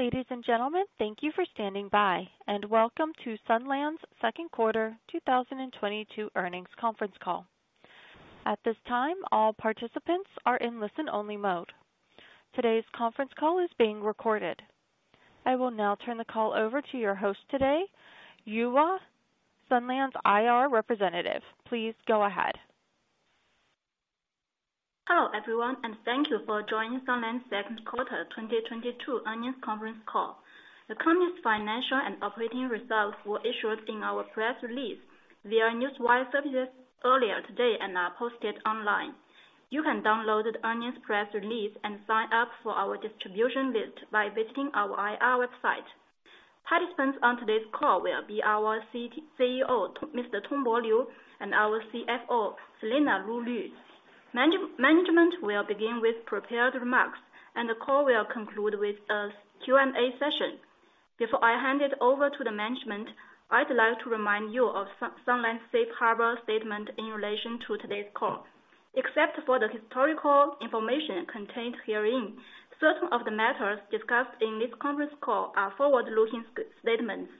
Ladies and gentlemen, thank you for standing by, and welcome to Sunlands' second quarter 2022 earnings conference call. At this time, all participants are in listen-only mode. Today's conference call is being recorded. I will now turn the call over to your host today, Yuhua Ye, Sunlands' IR representative. Please go ahead. Hello, everyone, and thank you for joining Sunlands' second quarter 2022 earnings conference call. The company's financial and operating results were issued in our press release via Newswire services earlier today and are posted online. You can download the earnings press release and sign up for our distribution list by visiting our IR website. Participants on today's call will be our CEO, Mr. Tongbo Liu, and our CFO, Selena Lu Lv. Management will begin with prepared remarks, and the call will conclude with a Q&A session. Before I hand it over to the management, I'd like to remind you of Sunlands' Safe Harbor statement in relation to today's call. Except for the historical information contained herein, certain of the matters discussed in this conference call are forward-looking statements.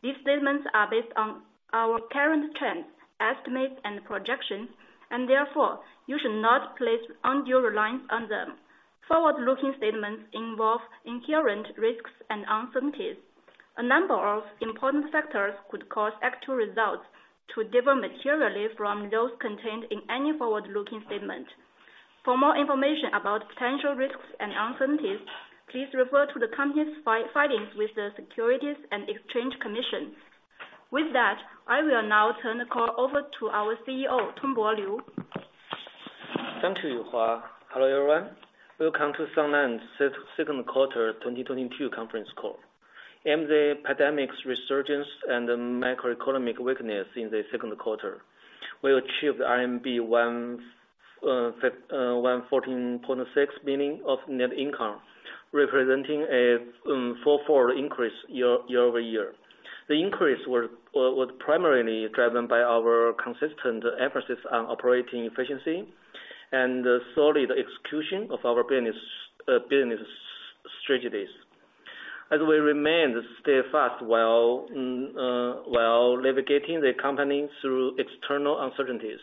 These statements are based on our current trends, estimates, and projections, and therefore, you should not place undue reliance on them. Forward-looking statements involve inherent risks and uncertainties. A number of important factors could cause actual results to differ materially from those contained in any forward-looking statement. For more information about potential risks and uncertainties, please refer to the company's filings with the Securities and Exchange Commission. With that, I will now turn the call over to our CEO, Tongbo Liu. Thank you, Yuhua. Hello, everyone. Welcome to Sunlands' second quarter 2022 conference call. Amid the pandemic's resurgence and macroeconomic weakness in the second quarter, we achieved RMB 114.6 billion of net income, representing a four percent increase year-over-year. The increase was primarily driven by our consistent emphasis on operating efficiency and the solid execution of our business strategies, as we remain steadfast while navigating the company through external uncertainties.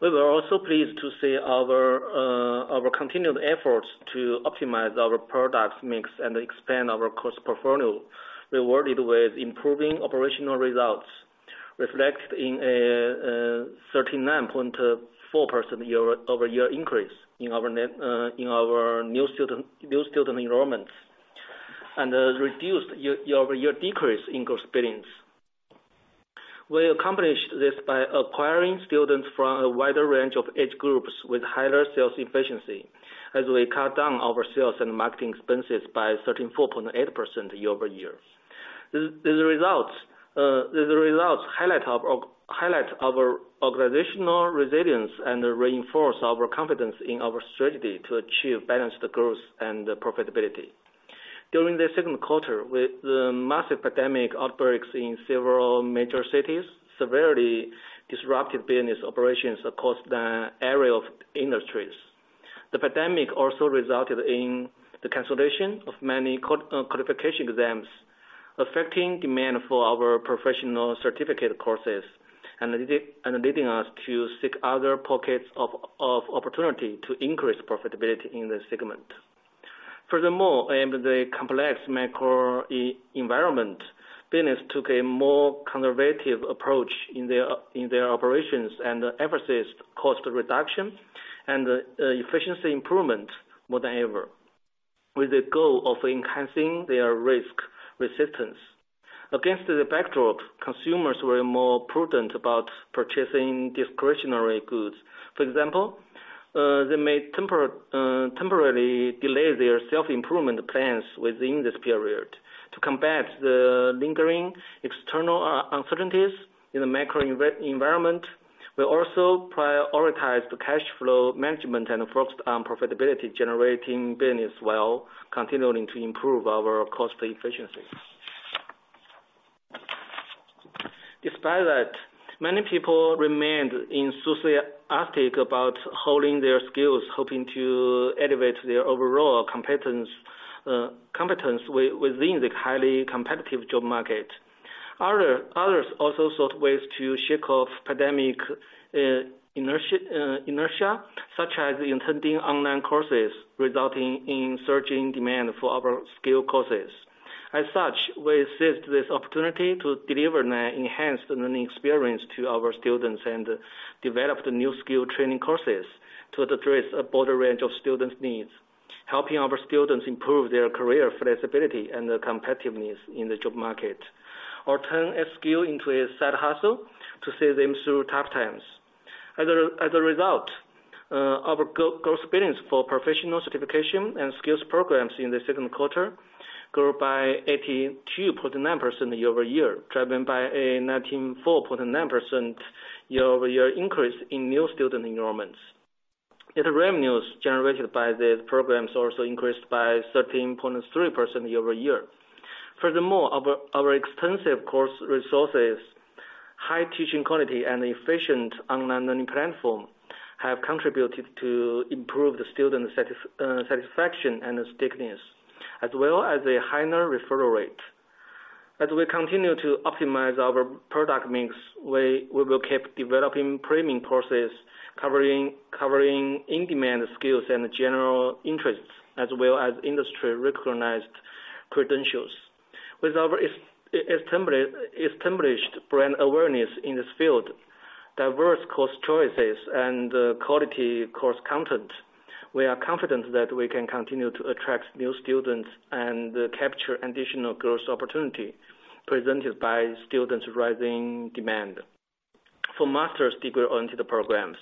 We were also pleased to see our continued efforts to optimize our product mix and expand our course portfolio rewarded with improving operational results, reflected in a 13.4% year-over-year increase in our new student enrollments, and a reduced year-over-year decrease in course billings. We accomplished this by acquiring students from a wider range of age groups with higher sales efficiency, as we cut down our sales and marketing expenses by 13.8% year-over-year. The results highlight our organizational resilience and reinforce our confidence in our strategy to achieve balanced growth and profitability. During the second quarter, with the massive pandemic outbreaks in several major cities severely disrupted business operations across the array of industries. The pandemic also resulted in the cancellation of many qualification exams, affecting demand for our professional certificate courses and leading us to seek other pockets of opportunity to increase profitability in this segment. Furthermore, amid the complex macro environment, business took a more conservative approach in their operations and emphasized cost reduction and efficiency improvement more than ever, with the goal of enhancing their risk resistance. Against the backdrop, consumers were more prudent about purchasing discretionary goods. For example, they may temporarily delay their self-improvement plans within this period. To combat the lingering external uncertainties in the macro environment, we also prioritized cash flow management and focused on profitability, generating business while continuing to improve our cost efficiency. Despite that, many people remained enthusiastic about honing their skills, hoping to elevate their overall competence within the highly competitive job market. Others also sought ways to shake off pandemic inertia, such as attending online courses, resulting in surging demand for our skill courses. As such, we seized this opportunity to deliver an enhanced learning experience to our students and develop the new skill training courses to address a broader range of students' needs, helping our students improve their career flexibility and competitiveness in the job market, or turn a skill into a side hustle to see them through tough times. As a result, our course billings for professional certification and skills programs in the second quarter grew by 82.9% year-over-year, driven by a 94.9% year-over-year increase in new student enrollments. The revenues generated by the programs also increased by 13.3% year-over-year. Furthermore, our extensive course resources, high teaching quality and efficient online learning platform have contributed to improve the student satisfaction and stickiness, as well as a higher referral rate. As we continue to optimize our product mix, we will keep developing premium courses covering in-demand skills and general interests, as well as industry-recognized credentials. With our established brand awareness in this field, diverse course choices, and quality course content, we are confident that we can continue to attract new students and capture additional growth opportunity presented by students' rising demand. For master's degree-oriented programs,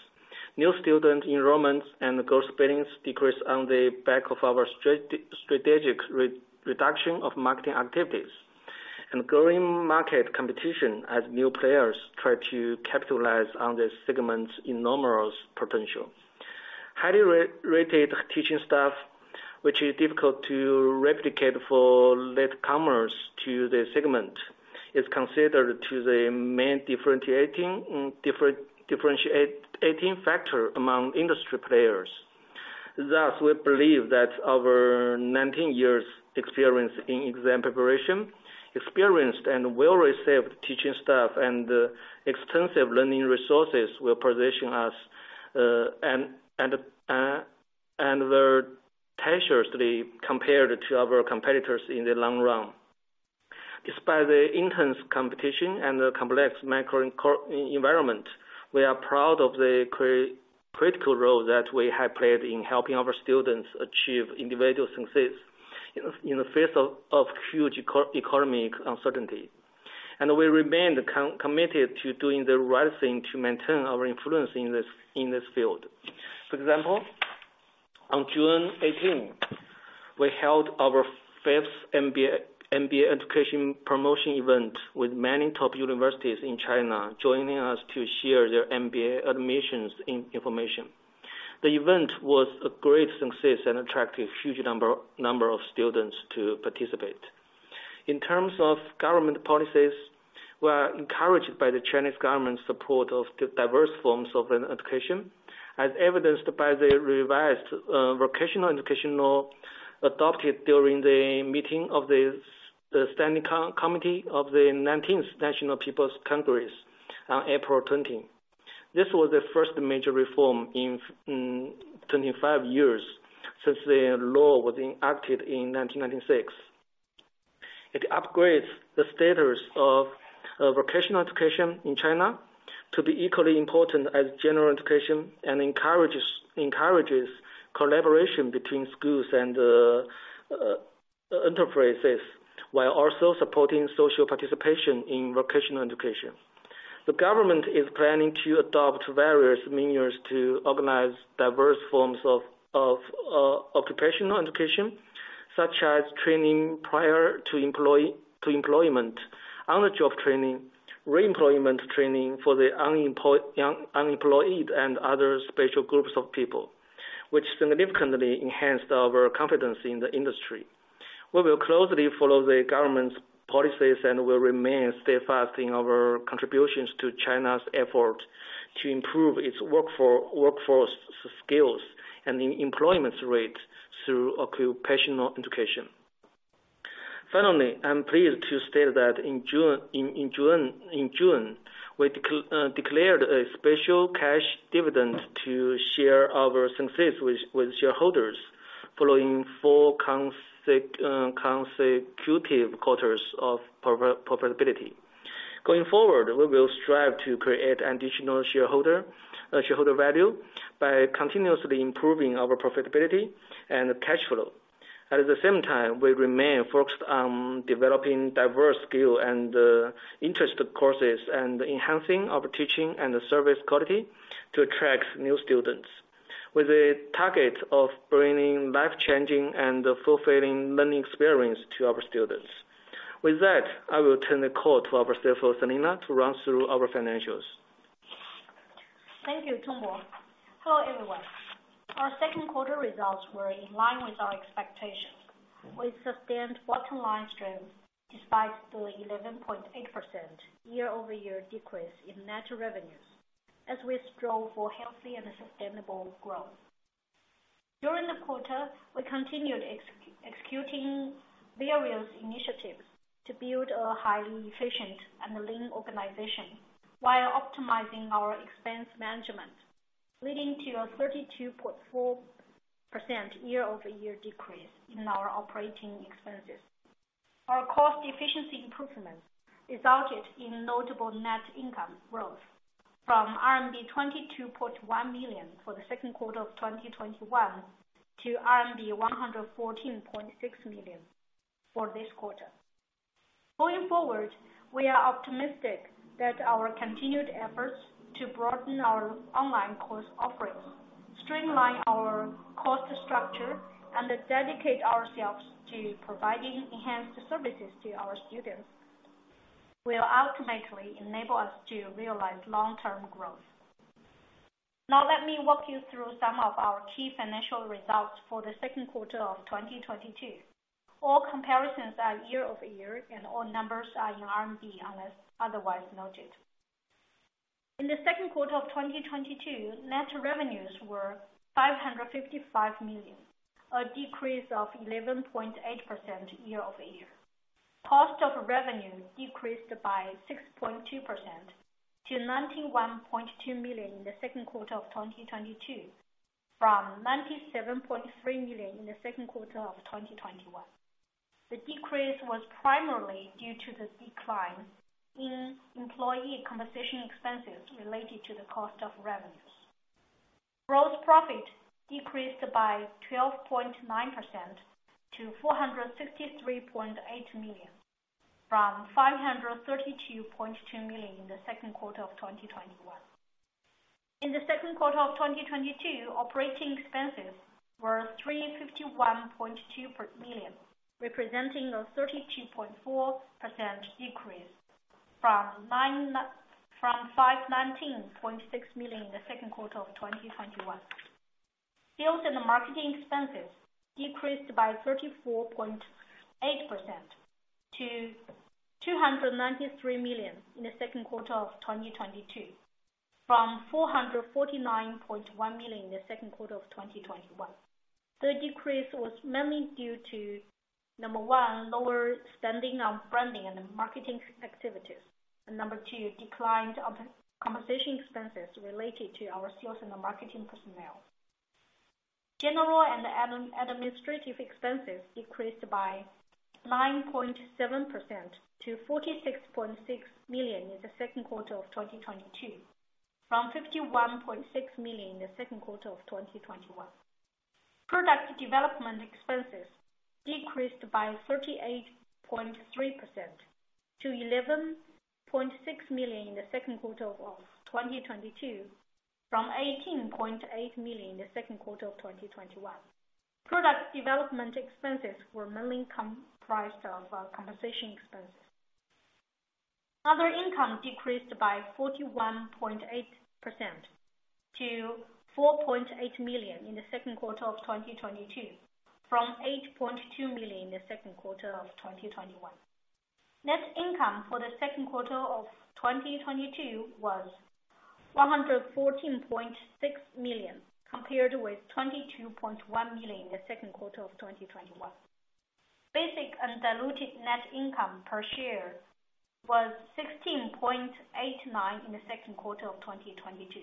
new student enrollments and growth ratings decreased on the back of our strategic reduction of marketing activities and growing market competition as new players try to capitalize on this segment's enormous potential. Highly rated teaching staff, which is difficult to replicate for latecomers to the segment, is considered the main differentiating factor among industry players. Thus, we believe that our 19 years experience in exam preparation, experienced and well-received teaching staff and extensive learning resources will position us very cautiously compared to our competitors in the long run. Despite the intense competition and the complex macroeconomic environment, we are proud of the critical role that we have played in helping our students achieve individual success in the face of huge economic uncertainty. We remain committed to doing the right thing to maintain our influence in this field. For example, on June 18, we held our 5th MBA education promotion event with many top universities in China joining us to share their MBA admissions information. The event was a great success and attracted huge number of students to participate. In terms of government policies, we are encouraged by the Chinese government's support of diverse forms of education, as evidenced by the revised vocational education law adopted during the meeting of the Standing Committee of the 19th National People's Congress on April 20. This was the first major reform in 25 years since the law was enacted in 1996. It upgrades the status of vocational education in China to be equally important as general education and encourages collaboration between schools and enterprises, while also supporting social participation in vocational education. The government is planning to adopt various measures to organize diverse forms of occupational education, such as training prior to employment, on-the-job training, re-employment training for the young unemployed and other special groups of people, which significantly enhanced our confidence in the industry. We will closely follow the government's policies and will remain steadfast in our contributions to China's effort to improve its workforce skills and employment rate through occupational education. Finally, I'm pleased to state that in June, we declared a special cash dividend to share our success with shareholders following four consecutive quarters of profitability. Going forward, we will strive to create additional shareholder value by continuously improving our profitability and cash flow. At the same time, we remain focused on developing diverse skill and interest courses and enhancing our teaching and service quality to attract new students, with a target of bringing life-changing and fulfilling learning experience to our students. With that, I will turn the call to our CFO, Selena Lu Lv, to run through our financials. Thank you, Tongbo. Hello, everyone. Our second quarter results were in line with our expectations. We sustained bottom-line strength despite the 11.8% year-over-year decrease in net revenues as we strove for healthy and sustainable growth. During the quarter, we continued executing various initiatives to build a highly efficient and lean organization while optimizing our expense management, leading to a 32.4% year-over-year decrease in our operating expenses. Our cost efficiency improvements resulted in notable net income growth from RMB 22.1 million for the second quarter of 2021 to RMB 114.6 million for this quarter. Going forward, we are optimistic that our continued efforts to broaden our online course offerings, streamline our cost structure and dedicate ourselves to providing enhanced services to our students will ultimately enable us to realize long-term growth. Now let me walk you through some of our key financial results for the second quarter of 2022. All comparisons are year-over-year, and all numbers are in RMB unless otherwise noted. In the second quarter of 2022, net revenues were 555 million, a decrease of 11.8% year-over-year. Cost-of-revenue decreased by 6.2% to 91.2 million in the second quarter of 2022 from 97.3 million in the second quarter of 2021. The decrease was primarily due to the decline in employee compensation expenses related to the cost of revenues. Gross profit decreased by 12.9% to 463.8 million from 532.2 million in the second quarter of 2021. In the second quarter of 2022, operating expenses were 351.2 million, representing a 32.4% decrease from 519.6 million in the second quarter of 2021. Sales and marketing expenses decreased by 34.8% to 293 million in the second quarter of 2022 from 449.1 million in the second quarter of 2021. The decrease was mainly due to, number one, lower spending on branding and marketing activities. Number two, declined compensation expenses related to our sales and marketing personnel. General and administrative expenses decreased by 9.7% to 46.6 million in the second quarter of 2022 from 51.6 million in the second quarter of 2021. Product development expenses decreased by 38.3% to 11.6 million in the second quarter of 2022 from 18.8 million in the second quarter of 2021. Product development expenses were mainly comprised of compensation expenses. Other income decreased by 41.8% to 4.8 million in the second quarter of 2022 from 8.2 million in the second quarter of 2021. Net income for the second quarter of 2022 was 114.6 million compared with 22.1 million in the second quarter of 2021. Basic and diluted net income per share was 16.89 in the second quarter of 2022.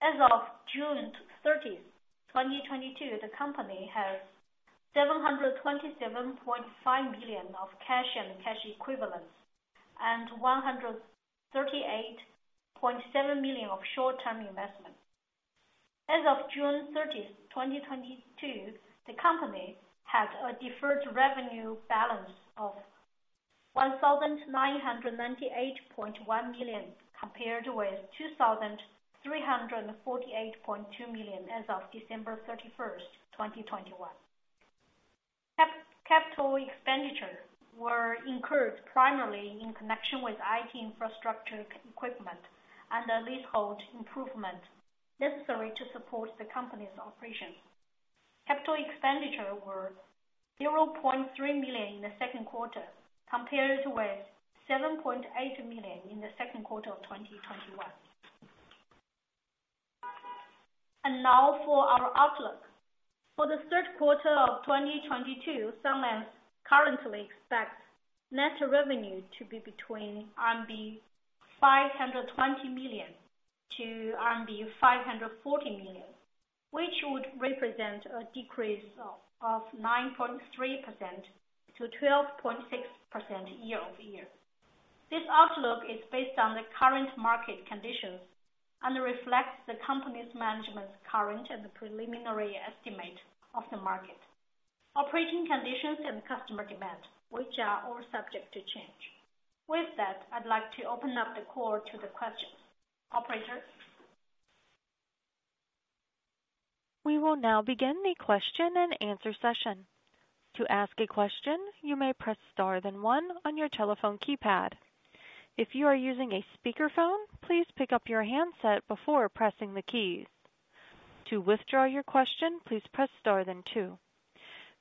As of June 30th, 2022, the company has 727.5 million of cash and cash equivalents and 138.7 million of short-term investments. As of June 30th, 2022, the company had a deferred revenue balance of 1,998.1 million compared with 2,348.2 million as of December 31st, 2021. Capital expenditures were incurred primarily in connection with IT infrastructure equipment and the leasehold improvements necessary to support the company's operations. Capital expenditures were 0.3 million in the second quarter compared with 7.8 million in the second quarter of 2021. Now for our outlook. For the third quarter of 2022, Sunlands Technology Group currently expects net revenue to be between 520 million-540 million RMB, which would represent a decrease of 9.3% to 12.6% year-over-year. This outlook is based on the current market conditions and reflects the company's management's current and preliminary estimate of the market, operating conditions and customer demand, which are all subject to change. With that, I'd like to open up the call to the questions. Operator? We will now begin the question-and-answer session. To ask a question, you may press star then one on your telephone keypad. If you are using a speakerphone, please pick up your handset before pressing the keys. To withdraw your question, please press star then two.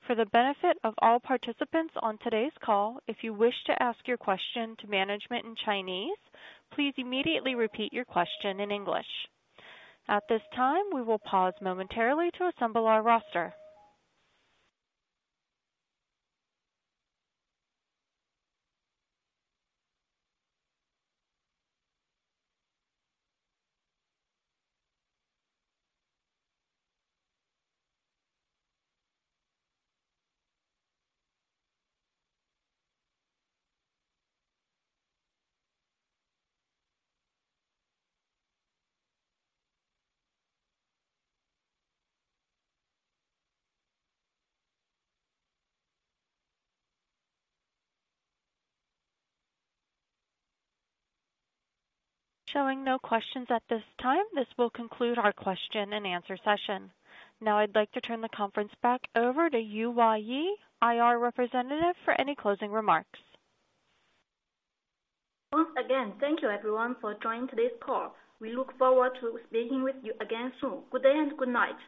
For the benefit of all participants on today's call, if you wish to ask your question to management in Chinese, please immediately repeat your question in English. At this time, we will pause momentarily to assemble our roster. Showing no questions at this time, this will conclude our question-and-answer session. Now I'd like to turn the conference back over to Yuhua Ye, IR Representative, for any closing remarks. Once again, thank you everyone for joining today's call. We look forward to speaking with you again soon. Good day and good night.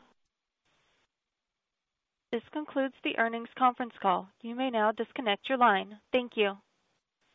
This concludes the earnings conference call. You may now disconnect your line. Thank you.